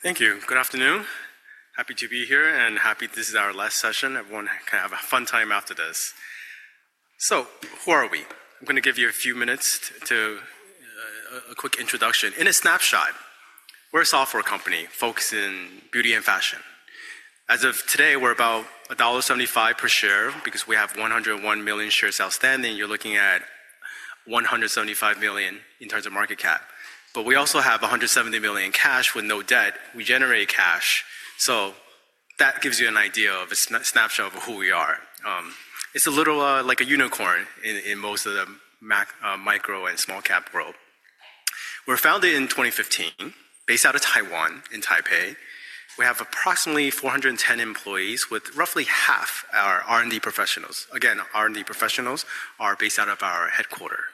Thank you. Good afternoon. Happy to be here, and happy this is our last session. Everyone can have a fun time after this. Who are we? I'm going to give you a few minutes to a quick introduction. In a snapshot, we're a software company focused in beauty and fashion. As of today, we're about $1.75 per share because we have 101 million shares outstanding. You're looking at $175 million in terms of market cap. We also have $170 million in cash with no debt. We generate cash. That gives you an idea of a snapshot of who we are. It's a little like a unicorn in most of the micro and small-cap world. We're founded in 2015, based out of Taiwan in Taipei. We have approximately 410 employees, with roughly half our R&D professionals. Again, R&D professionals are based out of our headquarter.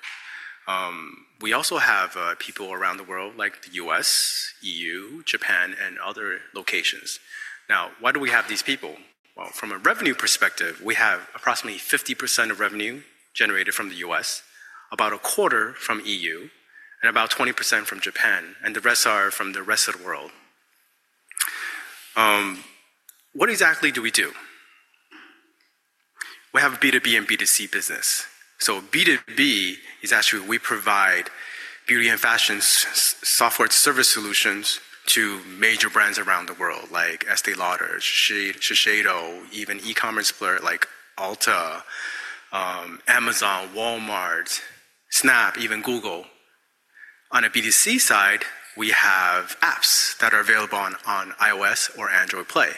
We also have people around the world, like the U.S., EU, Japan, and other locations. Now, why do we have these people? From a revenue perspective, we have approximately 50% of revenue generated from the U.S., about a quarter from EU, and about 20% from Japan. The rest are from the rest of the world. What exactly do we do? We have a B2B and B2C business. B2B is actually we provide beauty and fashion software service solutions to major brands around the world, like Estée Lauder, Shiseido, even e-commerce like Ulta, Amazon, Walmart, Snap, even Google. On the B2C side, we have apps that are available on iOS or Android Play.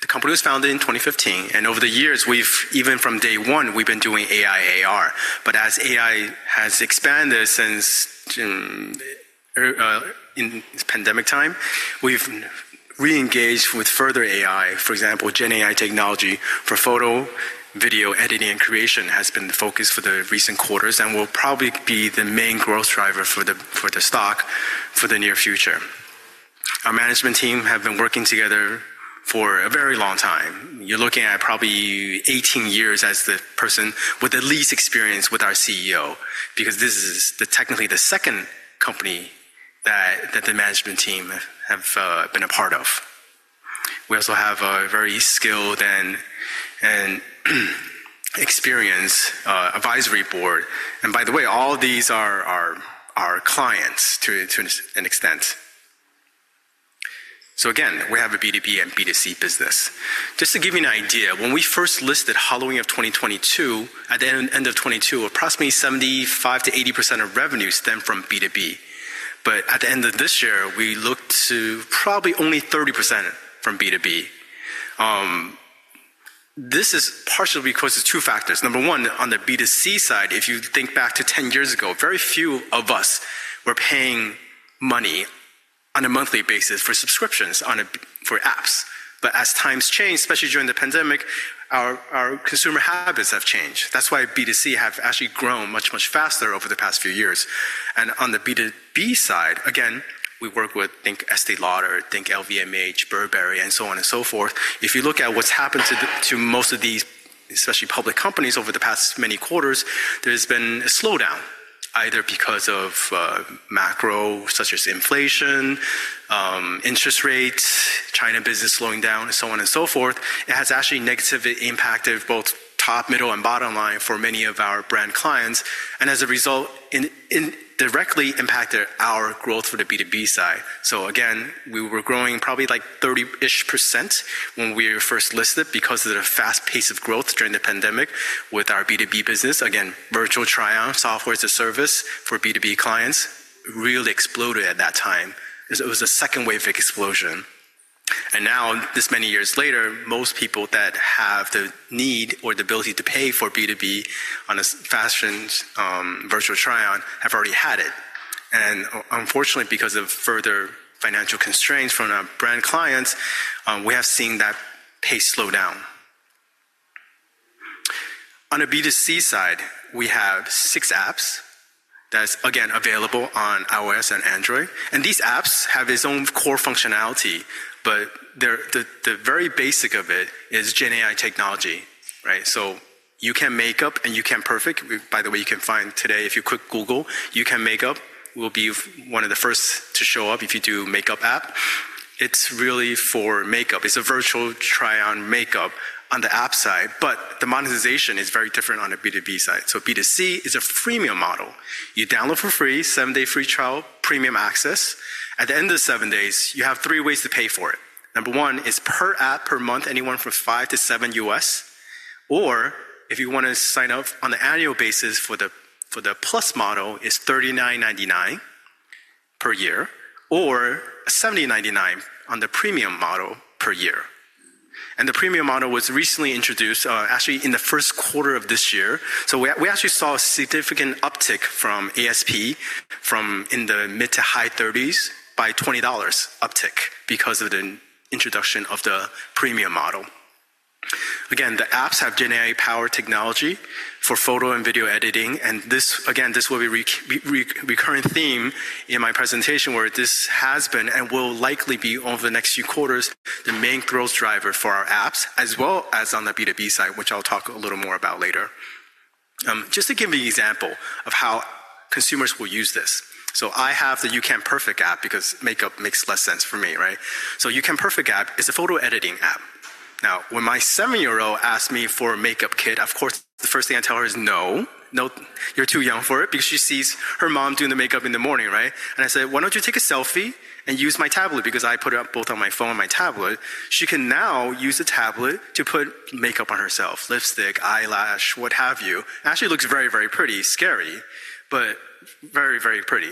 The company was founded in 2015. Over the years, even from day one, we've been doing AI/AR. As AI has expanded since pandemic time, we've re-engaged with further AI. For example, GenAI technology for photo, video, editing, and creation has been the focus for the recent quarters and will probably be the main growth driver for the stock for the near future. Our management team has been working together for a very long time. You're looking at probably 18 years as the person with the least experience with our CEO because this is technically the second company that the management team have been a part of. We also have a very skilled and experienced advisory board. By the way, all these are our clients to an extent. Again, we have a B2B and B2C business. Just to give you an idea, when we first listed Halloween of 2022, at the end of 2022, approximately 75%-80% of revenue stemmed from B2B. At the end of this year, we look to probably only 30% from B2B. This is partially because of two factors. Number one, on the B2C side, if you think back to 10 years ago, very few of us were paying money on a monthly basis for subscriptions for apps. As times changed, especially during the pandemic, our consumer habits have changed. That is why B2C have actually grown much, much faster over the past few years. On the B2B side, again, we work with, think Estée Lauder, think LVMH, Burberry, and so on and so forth. If you look at what has happened to most of these, especially public companies, over the past many quarters, there has been a slowdown, either because of macro such as inflation, interest rates, China business slowing down, and so on and so forth. It has actually negatively impacted both top, middle, and bottom line for many of our brand clients. As a result, it directly impacted our growth for the B2B side. Again, we were growing probably like 30% when we were first listed because of the fast pace of growth during the pandemic with our B2B business. Virtual Try-On, software as a service for B2B clients, really exploded at that time. It was a second wave of explosion. Now, this many years later, most people that have the need or the ability to pay for B2B on a fashion Virtual Try-On have already had it. Unfortunately, because of further financial constraints from our brand clients, we have seen that pace slow down. On the B2C side, we have six apps that's, again, available on iOS and Android. These apps have their own core functionality, but the very basic of it is GenAI technology. You can make up and you can perfect. By the way, you can find today, if you click Google, you can make up. We'll be one of the first to show up if you do makeup app. It's really for makeup. It's a Virtual Try-On makeup on the app side. The monetization is very different on the B2B side. B2C is a freemium model. You download for free, seven-day free trial, premium access. At the end of seven days, you have three ways to pay for it. Number one is per app per month, anywhere from $5 to $7, or if you want to sign up on an annual basis for the Plus Model, it's $39.99 per year, or $70.99 on the Premium Model per year. The Premium Model was recently introduced, actually in the first quarter of this year. We actually saw a significant uptick from ASP, from in the mid to high 30s, by $20 uptick because of the introduction of the Premium Model. Again, the apps have GenAI power technology for photo and video editing. This, again, will be a recurring theme in my presentation where this has been and will likely be over the next few quarters, the main growth driver for our apps, as well as on the B2B side, which I'll talk a little more about later. Just to give you an example of how consumers will use this. I have the YouCam Perfect app because makeup makes less sense for me. YouCam Perfect app is a photo editing app. Now, when my seven-year-old asked me for a makeup kit, of course, the first thing I tell her is no. No, you're too young for it because she sees her mom doing the makeup in the morning. I said, why don't you take a selfie and use my tablet because I put it up both on my phone and my tablet. She can now use a tablet to put makeup on herself, lipstick, eyelash, what have you. Actually looks very, very pretty. Scary, but very, very pretty.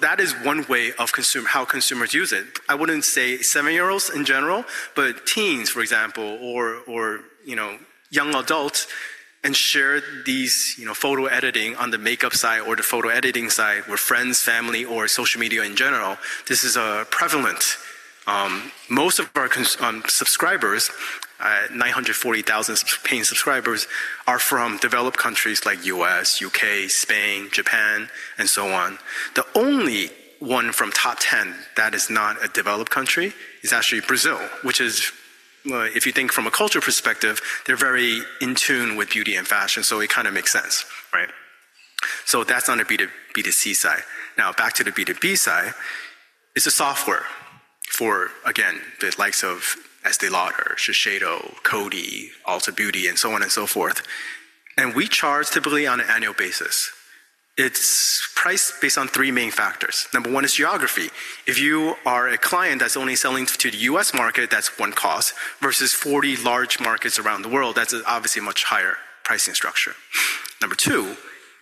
That is one way of how consumers use it. I wouldn't say seven-year-olds in general, but teens, for example, or young adults and share these photo editing on the makeup side or the photo editing side with friends, family, or social media in general. This is prevalent. Most of our subscribers, 940,000 paying subscribers, are from developed countries like U.S., U.K., Spain, Japan, and so on. The only one from top 10 that is not a developed country is actually Brazil, which is, if you think from a cultural perspective, they're very in tune with beauty and fashion. It kind of makes sense. That's on the B2C side. Now, back to the B2B side. It's a software for, again, the likes of Estée Lauder, Shiseido, Coty, Ulta Beauty, and so on and so forth. We charge typically on an annual basis. It's priced based on three main factors. Number one is geography. If you are a client that's only selling to the U.S. market, that's one cost, versus 40 large markets around the world, that's obviously a much higher pricing structure. Number two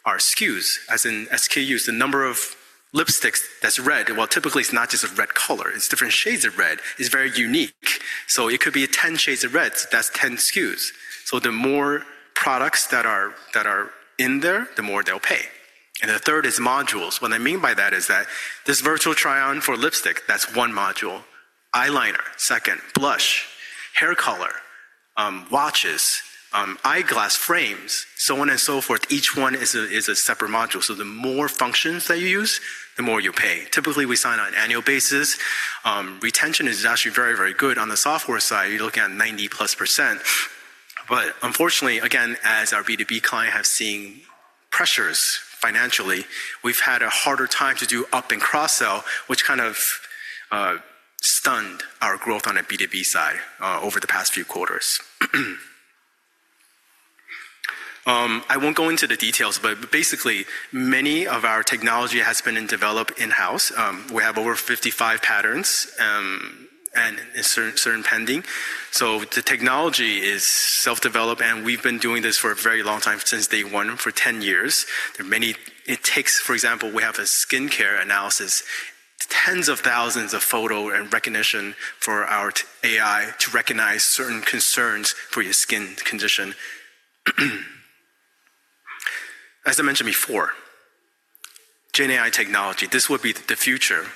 are SKUs, as in S-K-U's, the number of lipsticks that's red. Typically, it's not just a red color. It's different shades of red. It's very unique. It could be 10 shades of red. That's 10 SKUs. The more products that are in there, the more they'll pay. The third is modules. What I mean by that is that this Virtual Try-On for lipstick, that's one module. Eyeliner, second, blush, hair color, watches, eyeglass frames, so on and so forth. Each one is a separate module. The more functions that you use, the more you pay. Typically, we sign on an annual basis. Retention is actually very, very good. On the software side, you're looking at 90+%. Unfortunately, again, as our B2B client has seen pressures financially, we've had a harder time to do up and cross-sell, which kind of stunned our growth on the B2B side over the past few quarters. I won't go into the details, but basically, many of our technology has been developed in-house. We have over 55 patents and certain pending. The technology is self-developed, and we've been doing this for a very long time, since day one, for 10 years. It takes, for example, we have a skin analysis, tens of thousands of photo and recognition for our AI to recognize certain concerns for your skin condition. As I mentioned before, GenAI technology, this would be the future.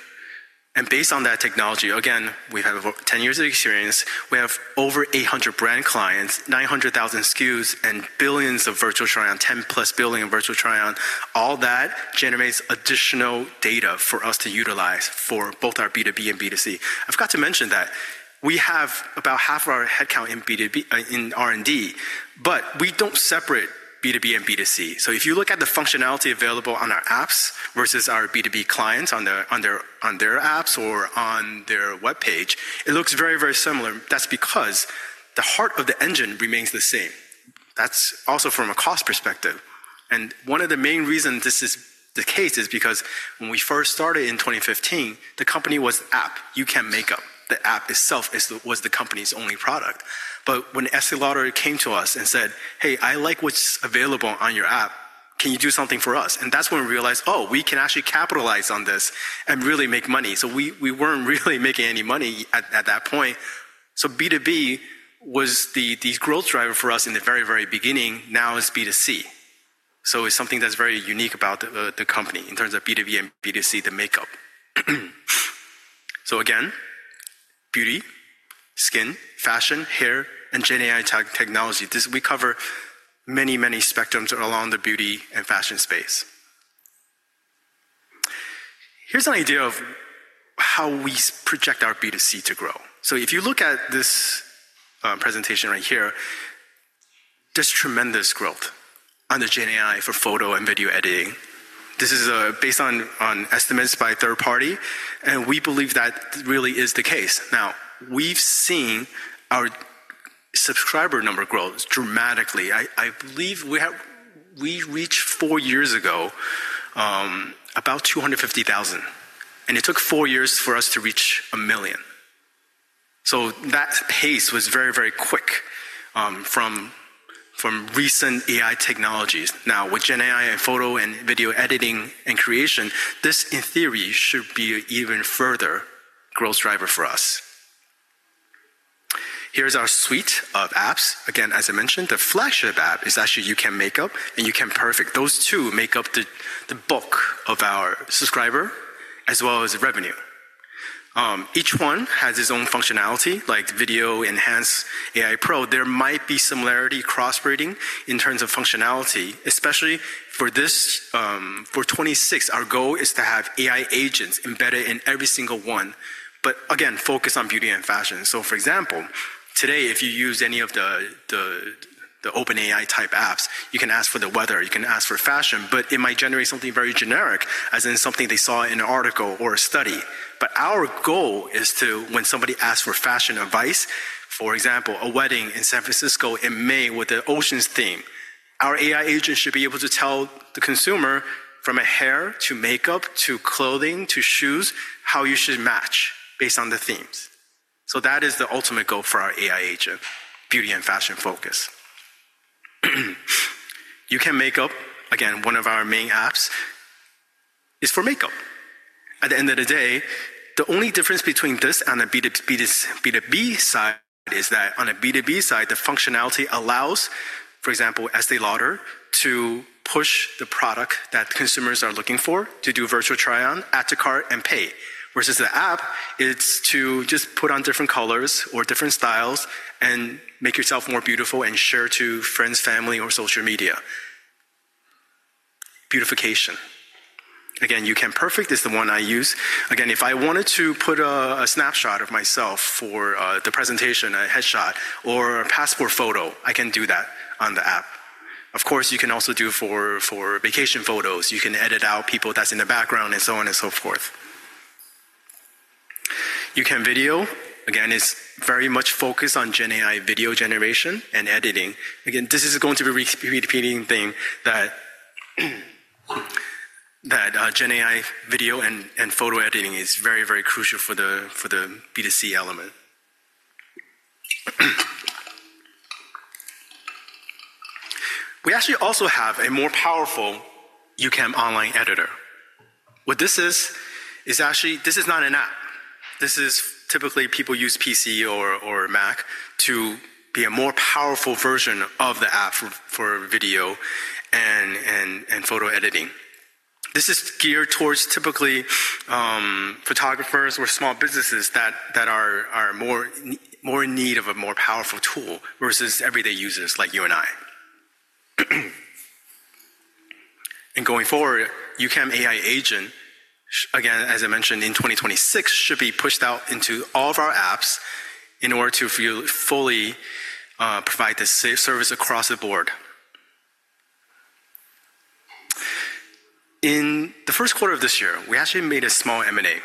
Based on that technology, again, we have 10 years of experience. We have over 800 brand clients, 900,000 SKUs, and billions of Virtual Try-On, 10+ billion Virtual Try-On. All that generates additional data for us to utilize for both our B2B and B2C. I forgot to mention that we have about half of our headcount in R&D, but we don't separate B2B and B2C. If you look at the functionality available on our apps versus our B2B clients on their apps or on their web page, it looks very, very similar. That's because the heart of the engine remains the same. That's also from a cost perspective. One of the main reasons this is the case is because when we first started in 2015, the company was app, YouCam Makeup. The app itself was the company's only product. When Estée Lauder came to us and said, hey, I like what's available on your app. Can you do something for us? That's when we realized, oh, we can actually capitalize on this and really make money. We weren't really making any money at that point. B2B was the growth driver for us in the very, very beginning. Now it's B2C. It's something that's very unique about the company in terms of B2B and B2C, the makeup. Again, beauty, skin, fashion, hair, and GenAI technology. We cover many, many spectrums around the beauty and fashion space. Here's an idea of how we project our B2C to grow. If you look at this presentation right here, there's tremendous growth on the GenAI for photo and video editing. This is based on estimates by third party, and we believe that really is the case. Now, we've seen our subscriber number grow dramatically. I believe we reached four years ago about 250,000. It took four years for us to reach 1,000,000. That pace was very, very quick from recent AI technologies. Now, with GenAI and photo and video editing and creation, this, in theory, should be an even further growth driver for us. Here's our suite of apps. Again, as I mentioned, the flagship app is actually YouCam Makeup and YouCam Perfect. Those two make up the bulk of our subscriber as well as revenue. Each one has its own functionality, like Video Enhance AI Pro. There might be similarity cross-breeding in terms of functionality, especially for this. For 2026, our goal is to have AI agents embedded in every single one, but again, focus on beauty and fashion. For example, today, if you use any of the OpenAI type apps, you can ask for the weather. You can ask for fashion, but it might generate something very generic, as in something they saw in an article or a study. Our goal is to, when somebody asks for fashion advice, for example, a wedding in San Francisco in May with the ocean's theme, our AI agent should be able to tell the consumer from hair to makeup to clothing to shoes how you should match based on the themes. That is the ultimate goal for our AI agent, beauty and fashion focus. YouCam Makeup, again, one of our main apps, is for makeup. At the end of the day, the only difference between this on the B2B side is that on the B2B side, the functionality allows, for example, Estée Lauder to push the product that consumers are looking for to do Virtual Try-On, add to cart, and pay. Versus the app, it's to just put on different colors or different styles and make yourself more beautiful and share to friends, family, or social media. Beautification. Again, you can perfect. It's the one I use. Again, if I wanted to put a snapshot of myself for the presentation, a headshot or a passport photo, I can do that on the app. Of course, you can also do for vacation photos. You can edit out people that's in the background and so on and so forth. You can video. Again, it's very much focused on GenAI video generation and editing. Again, this is going to be a repeating thing that GenAI video and photo editing is very, very crucial for the B2C element. We actually also have a more powerful YouCam Online Editor. What this is, is actually this is not an app. This is typically people use PC or Mac to be a more powerful version of the app for video and photo editing. This is geared towards typically photographers or small businesses that are more in need of a more powerful tool versus everyday users like you and I. Going forward, YouCam AI Agent, again, as I mentioned, in 2026, should be pushed out into all of our apps in order to fully provide this service across the board. In the first quarter of this year, we actually made a small M&A.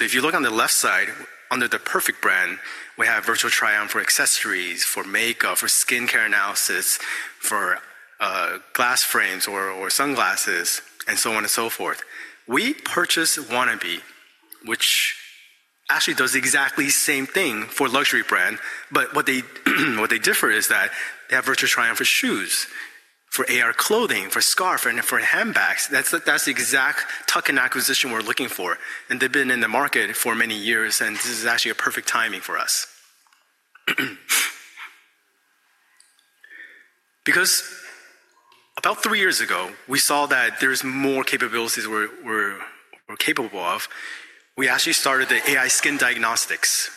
If you look on the left side, under the Perfect brand, we have Virtual Try-On for accessories, for makeup, for skincare analysis, for glass frames or sunglasses, and so on and so forth. We purchased Wannabe, which actually does the exact same thing for luxury brands. What they differ is that they have Virtual Try-On for shoes, for AR clothing, for scarf, and for handbags. That's the exact token acquisition we're looking for. They've been in the market for many years, and this is actually a perfect timing for us. Because about three years ago, we saw that there's more capabilities we're capable of. We actually started the AI skin diagnostics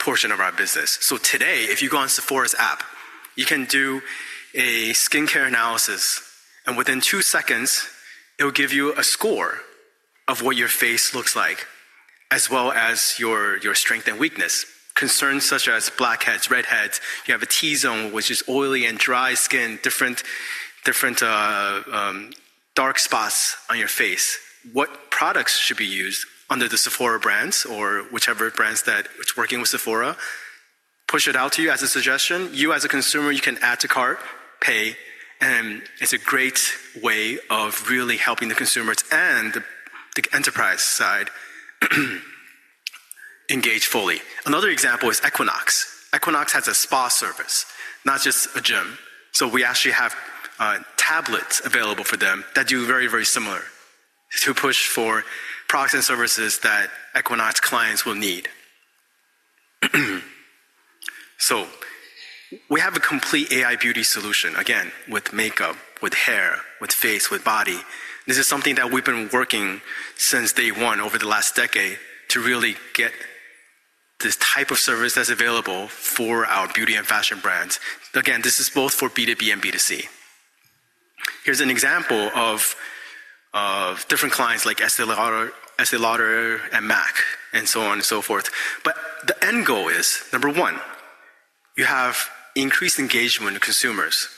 portion of our business. Today, if you go on Sephora's app, you can do a skincare analysis, and within two seconds, it'll give you a score of what your face looks like, as well as your strength and weakness. Concerns such as blackheads, redheads, you have a T-zone, which is oily and dry skin, different dark spots on your face. What products should be used under the Sephora brands or whichever brands that are working with Sephora? Push it out to you as a suggestion. You, as a consumer, you can add to cart, pay, and it's a great way of really helping the consumers and the enterprise side engage fully. Another example is Equinox. Equinox has a spa service, not just a gym. We actually have tablets available for them that do very, very similar to push for products and services that Equinox clients will need. We have a complete AI beauty solution, again, with makeup, with hair, with face, with body. This is something that we've been working since day one over the last decade to really get this type of service that's available for our beauty and fashion brands. This is both for B2B and B2C. Here's an example of different clients like Estée Lauder and MAC, and so on and so forth. The end goal is, number one, you have increased engagement with consumers.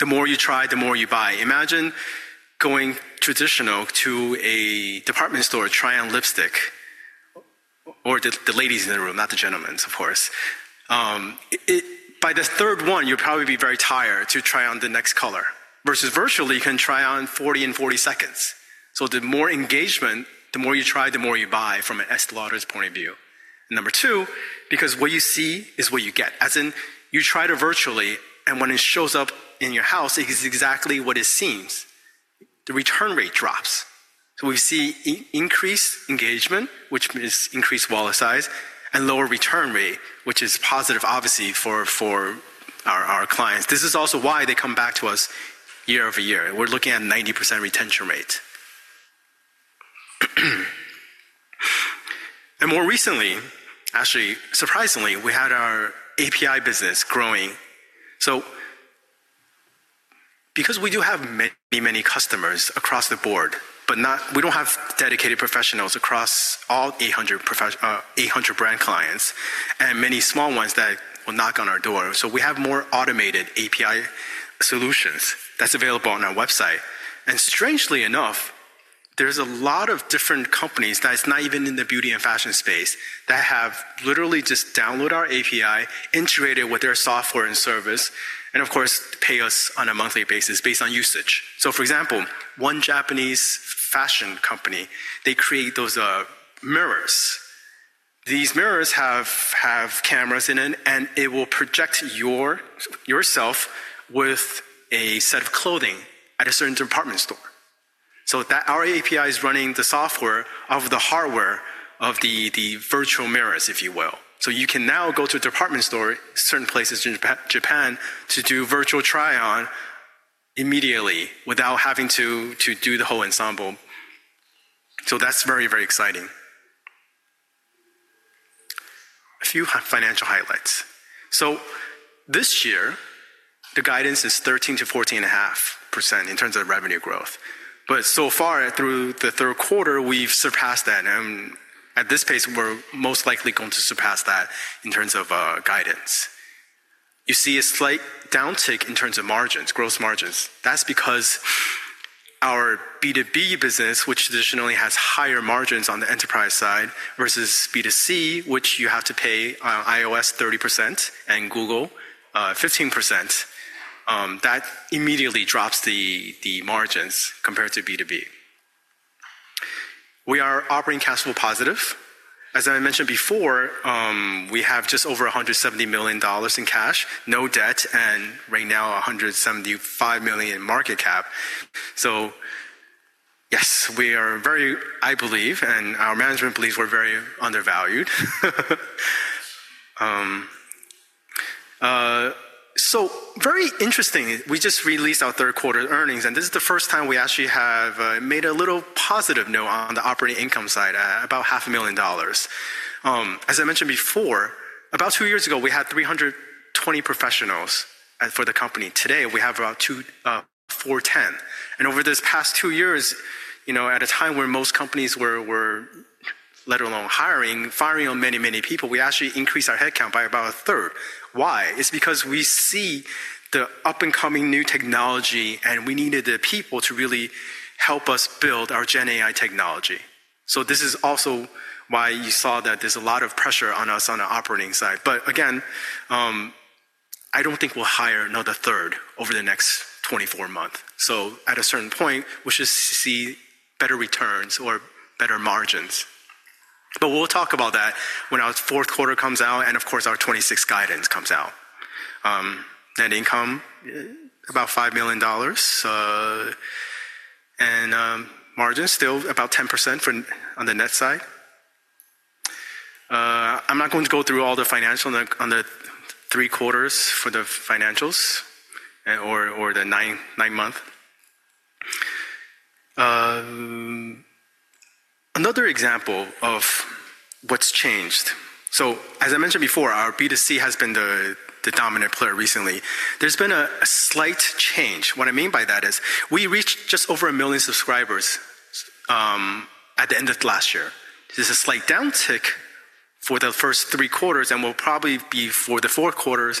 The more you try, the more you buy. Imagine going traditional to a department store try-on lipstick, or the ladies in the room, not the gentlemen, of course. By the third one, you'll probably be very tired to try on the next color. Versus virtually, you can try on 40 in 40 seconds. The more engagement, the more you try, the more you buy from Estée Lauder's point of view. Number two, because what you see is what you get. As in, you try it virtually, and when it shows up in your house, it is exactly what it seems. The return rate drops. We see increased engagement, which means increased wallet size, and lower return rate, which is positive, obviously, for our clients. This is also why they come back to us year over year. We're looking at a 90% retention rate. More recently, actually, surprisingly, we had our API business growing. Because we do have many, many customers across the board, but we do not have dedicated professionals across all 800 brand clients and many small ones that will knock on our door. We have more automated API solutions that are available on our website. Strangely enough, there are a lot of different companies that are not even in the beauty and fashion space that have literally just downloaded our API, integrated with their software and service, and of course, pay us on a monthly basis based on usage. For example, one Japanese fashion company creates those mirrors. These mirrors have cameras in them, and they will project yourself with a set of clothing at a certain department store. Our API is running the software of the hardware of the virtual mirrors, if you will. You can now go to a department store, certain places in Japan, to do virtual try-on immediately without having to do the whole ensemble. That is very, very exciting. A few financial highlights. This year, the guidance is 13%-14.5% in terms of revenue growth. So far, through the third quarter, we've surpassed that. At this pace, we're most likely going to surpass that in terms of guidance. You see a slight downtick in terms of margins, gross margins. That is because our B2B business, which traditionally has higher margins on the enterprise side versus B2C, which you have to pay iOS 30% and Google 15%, that immediately drops the margins compared to B2B. We are operating cash flow positive. As I mentioned before, we have just over $170 million in cash, no debt, and right now, $175 million in market cap. Yes, we are very, I believe, and our management believes we're very undervalued. Very interesting, we just released our third quarter earnings, and this is the first time we actually have made a little positive note on the operating income side, about $500,000. As I mentioned before, about two years ago, we had 320 professionals for the company. Today, we have about 410. Over this past two years, at a time when most companies were let alone hiring, firing on many, many people, we actually increased our headcount by about a third. Why? It's because we see the up-and-coming new technology, and we needed the people to really help us build our GenAI technology. This is also why you saw that there's a lot of pressure on us on the operating side. I do not think we will hire another third over the next 24 months. At a certain point, we should see better returns or better margins. We will talk about that when our fourth quarter comes out and, of course, our 2026 guidance comes out. Net income, about $5 million. Margins, still about 10% on the net side. I am not going to go through all the financials on the three quarters for the financials or the nine-month. Another example of what has changed. As I mentioned before, our B2C has been the dominant player recently. There has been a slight change. What I mean by that is we reached just over a million subscribers at the end of last year. This is a slight downtick for the first three quarters, and will probably be for the fourth quarter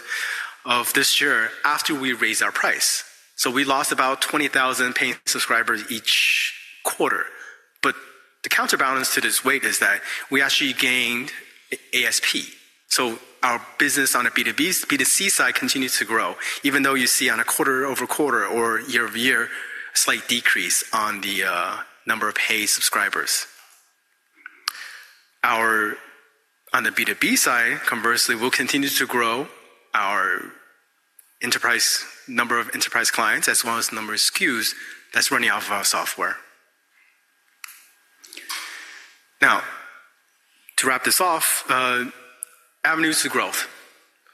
of this year after we raise our price. We lost about 20,000 paying subscribers each quarter. The counterbalance to this weight is that we actually gained ASP. Our business on the B2C side continues to grow, even though you see on a quarter-over-quarter or year-over-year slight decrease in the number of paid subscribers. On the B2B side, conversely, we will continue to grow our number of enterprise clients as well as the number of SKUs that are running off of our software. To wrap this off, avenues to growth.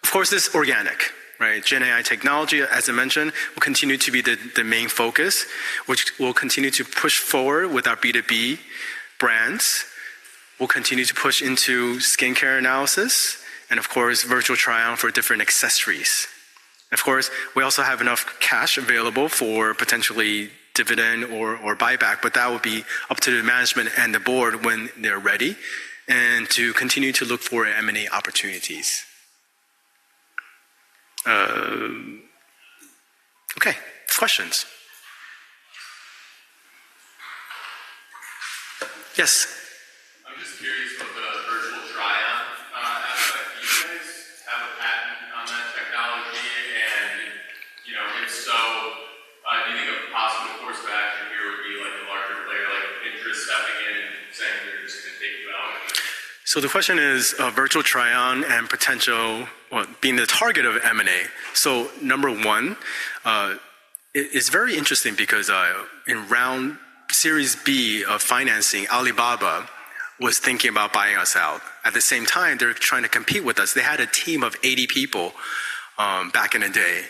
Of course, it is organic. GenAI technology, as I mentioned, will continue to be the main focus, which we will continue to push forward with our B2B brands. We will continue to push into skincare analysis and, of course, Virtual Try-On for different accessories. Of course, we also have enough cash available for potentially dividend or buyback, but that will be up to the management and the board when they're ready and to continue to look for M&A opportunities. Okay, questions? Yes. I'm just curious about the Virtual Try-On aspect. Do you guys have a patent on that technology? And if so, do you think a possible course of action here would be a larger player like Pinterest stepping in and saying they're just going to take you out? The question is Virtual Try-On and potential being the target of M&A. Number one, it's very interesting because in round series B of financing, Alibaba was thinking about buying us out. At the same time, they're trying to compete with us. They had a team of 80 people back in the day.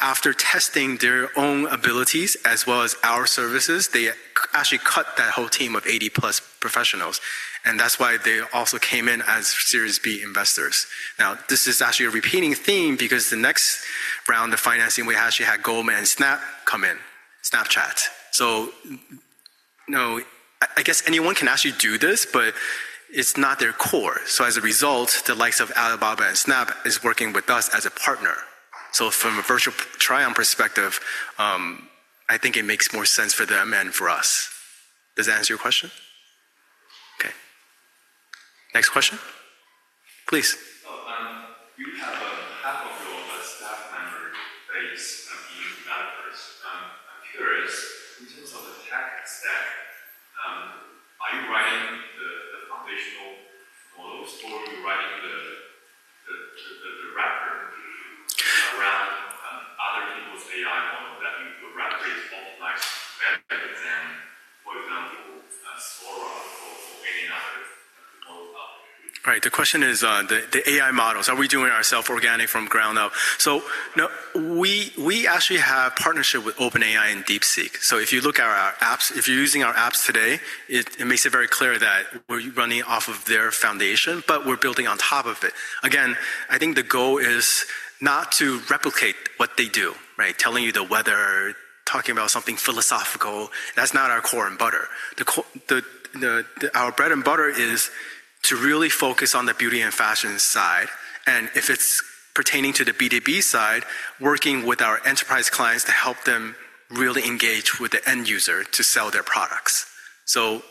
After testing their own abilities as well as our services, they actually cut that whole team of 80+ professionals. That is why they also came in as Series B investors. This is actually a repeating theme because the next round of financing, we actually had Goldman and Snap come in, Snapchat. I guess anyone can actually do this, but it is not their core. As a result, the likes of Alibaba and Snap are working with us as a partner. From a Virtual Try-On perspective, I think it makes more sense for them and for us. Does that answer your question? Okay. Next question, please. You have half of your staff members based in developers. I'm curious, in terms of the tech stack, are you writing the foundational models, or are you writing the wrapper around other people's AI models that you would rather it's optimized than for example, Sephora or any other model? Right, the question is the AI models. Are we doing ourselves organic from ground up? We actually have partnership with OpenAI and DeepSeek. If you look at our apps, if you're using our apps today, it makes it very clear that we're running off of their foundation, but we're building on top of it. I think the goal is not to replicate what they do, telling you the weather, talking about something philosophical. That's not our core and butter. Our bread and butter is to really focus on the beauty and fashion side. If it's pertaining to the B2B side, working with our enterprise clients to help them really engage with the end user to sell their products, we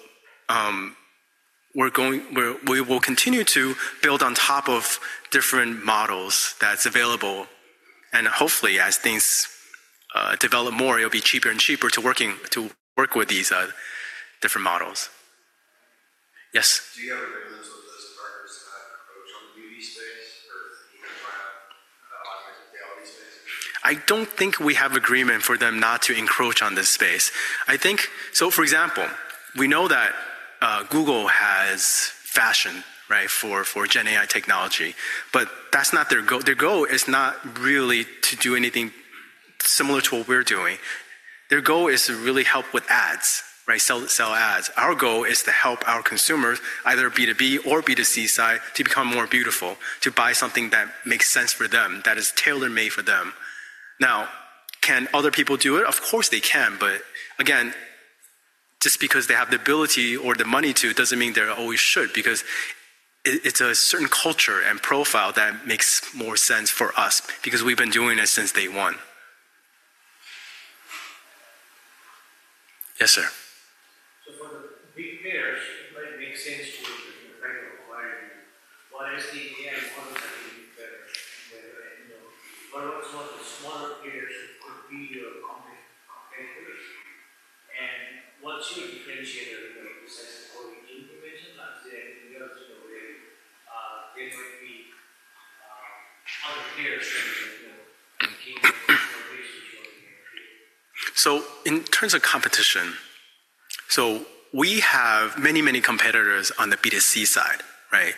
will continue to build on top of different models that are available. Hopefully, as things develop more, it will be cheaper and cheaper to work with these different models. Yes. Do you have agreement with those partners to have encroach on the beauty space or the authenticity space? I don't think we have agreement for them not to encroach on this space. For example, we know that Google has fashion for GenAI technology, but their goal is not really to do anything similar to what we're doing. Their goal is to really help with ads, sell ads. Our goal is to help our consumers, either B2B or B2C side, to become more beautiful, to buy something that makes sense for them, that is tailor-made for them. Now, can other people do it? Of course, they can. Just because they have the ability or the money to does not mean they always should, because it is a certain culture and profile that makes more sense for us because we have been doing it since day one. Yes, sir. For the big players, it might make sense to take a client view. Why is the AI model taking better? What about some of the smaller players who could be your competitors? What is your differentiator besides the quality you mentioned? I am saying in terms of where there might be other players that are making more information? In terms of competition, we have many, many competitors on the B2C side. On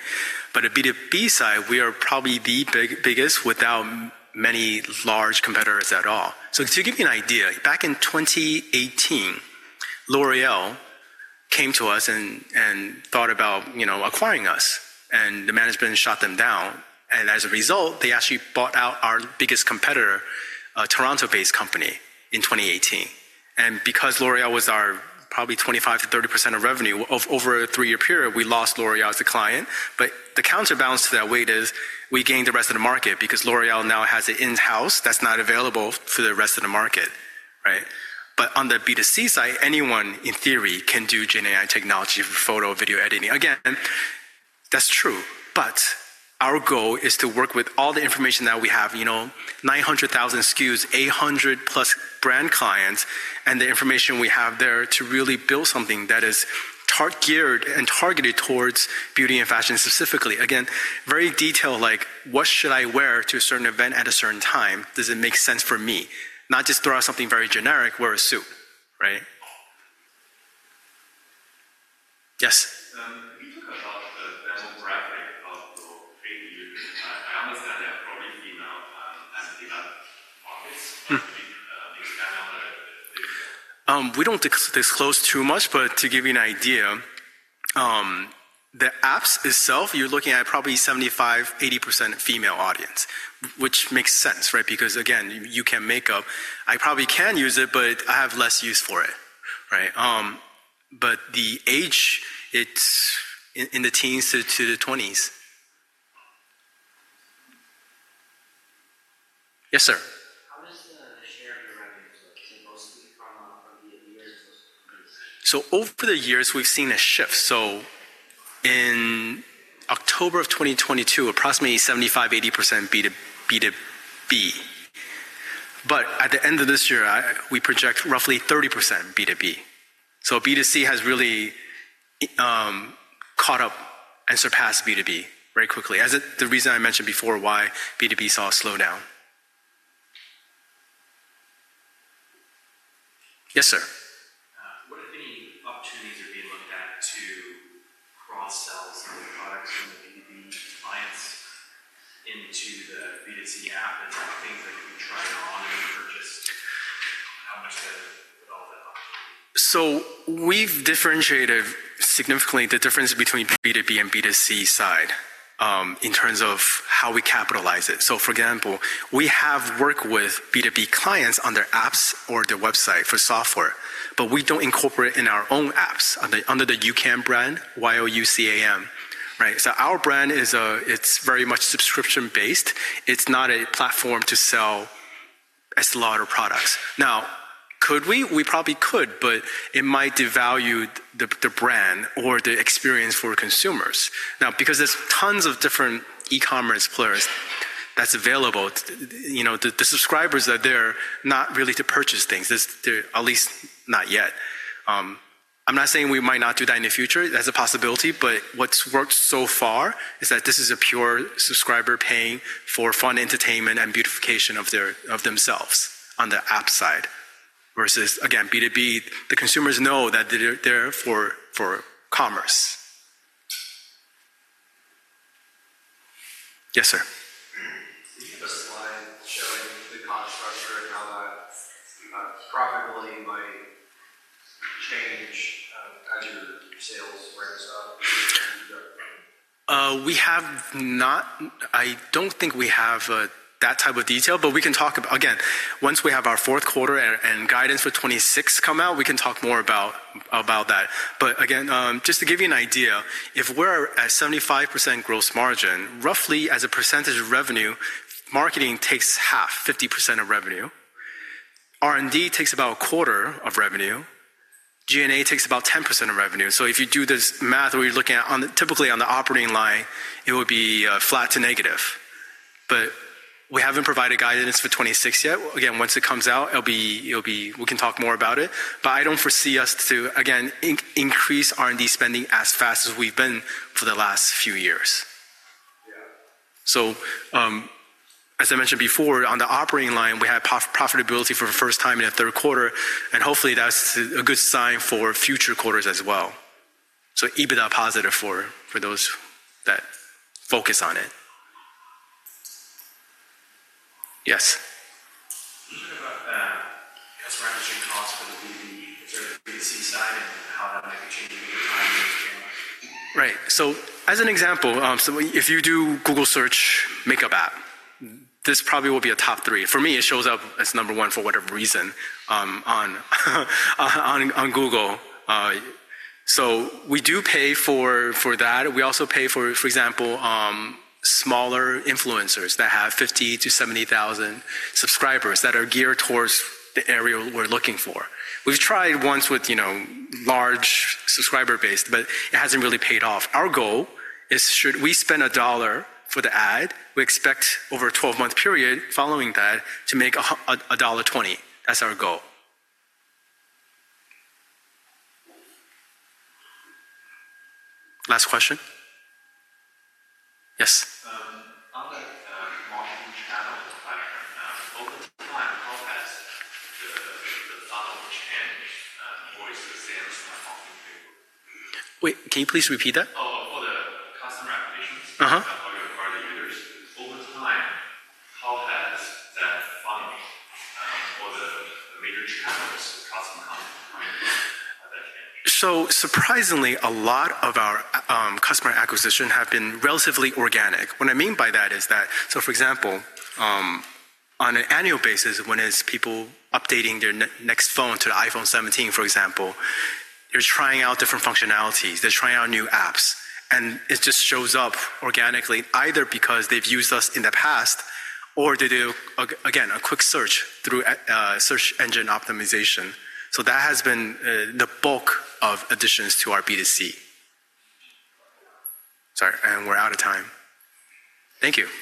the B2B side, we are probably the biggest without many large competitors at all. To give you an idea, back in 2018, L'Oréal came to us and thought about acquiring us. The management shut them down. As a result, they actually bought out our biggest competitor, a Toronto-based company, in 2018. Because L'Oréal was probably 25%-30% of revenue over a three-year period, we lost L'Oréal as the client. The counterbalance to that weight is we gained the rest of the market because L'Oréal now has it in-house that's not available for the rest of the market. On the B2C side, anyone, in theory, can do GenAI technology for photo, video editing. Again, that's true. Our goal is to work with all the information that we have, 900,000 SKUs, 800+ brand clients, and the information we have there to really build something that is targeted towards beauty and fashion specifically. Again, very detailed, like what should I wear to a certain event at a certain time? Does it make sense for me? Not just throw out something very generic, wear a suit. Yes. If you talk about the demographic of your paid users, I understand they are probably female and female audience. If you can expand on the details. We do not disclose too much, but to give you an idea, the apps itself, you are looking at probably 75%-80% female audience, which makes sense, right? Because again, you can make up, I probably can use it, but I have less use for it. The age, it is in the teens to the 20s. Yes, sir. How does the share of your revenues look? Is it mostly from the years? Over the years, we've seen a shift. In October of 2022, approximately 75-80% B2B. At the end of this year, we project roughly 30% B2B. B2C has really caught up and surpassed B2B very quickly, as the reason I mentioned before why B2B saw a slowdown. Yes, sir. What, if any, opportunities are being looked at to cross-sell some of the products from the B2B clients into the B2C app and things that could be tried on and purchased? How much of that opportunity? We've differentiated significantly the difference between B2B and B2C side in terms of how we capitalize it. For example, we have worked with B2B clients on their apps or their website for software, but we don't incorporate in our own apps under the YouCam brand, Y-O-U-C-A-M. Our brand, it's very much subscription-based. It's not a platform to sell a lot of products. Now, could we? We probably could, but it might devalue the brand or the experience for consumers. Now, because there's tons of different e-commerce players that's available, the subscribers are there not really to purchase things, at least not yet. I'm not saying we might not do that in the future. That's a possibility. What's worked so far is that this is a pure subscriber paying for fun entertainment and beautification of themselves on the app side versus, again, B2B. The consumers know that they're there for commerce. Yes, sir. Could you give a slide showing the cost structure and how that profitability might change as your sales ramps up? We have not. I don't think we have that type of detail, but we can talk about, again, once we have our fourth quarter and guidance for 2026 come out, we can talk more about that. Again, just to give you an idea, if we're at 75% gross margin, roughly as a percentage of revenue, marketing takes half, 50% of revenue. R&D takes about a quarter of revenue. GenAI takes about 10% of revenue. If you do this math, what you're looking at, typically on the operating line, it would be flat to negative. We haven't provided guidance for 2026 yet. Again, once it comes out, we can talk more about it. I don't foresee us to, again, increase R&D spending as fast as we've been for the last few years. As I mentioned before, on the operating line, we had profitability for the first time in the third quarter. Hopefully, that's a good sign for future quarters as well. EBITDA positive for those that focus on it. Yes. What about the averaging cost for the B2B, the B2C side, and how that might be changing over time? Right. As an example, if you do Google search, makeup app, this probably will be a top three. For me, it shows up as number one for whatever reason on Google. We do pay for that. We also pay for, for example, smaller influencers that have 50,000-70,000 subscribers that are geared towards the area we're looking for. We've tried once with large subscriber base, but it hasn't really paid off. Our goal is should we spend $1.00 for the ad, we expect over a 12-month period following that to make $1.20. That's our goal. Last question. Yes. On the marketing channel platform, over time, how has the funnel changed towards the sales marketing framework? Wait, can you please repeat that? Oh, for the customer acquisitions, how do you acquire the users? Over time, how has that funnel for the major channels of customer acquisition, how has that changed? Surprisingly, a lot of our customer acquisition has been relatively organic. What I mean by that is that, for example, on an annual basis, when people are updating their next phone to the iPhone 17, for example, they're trying out different functionalities. They're trying out new apps. It just shows up organically, either because they've used us in the past, or they do, again, a quick search through search engine optimization. That has been the bulk of additions to our B2C. Sorry, and we're out of time. Thank you.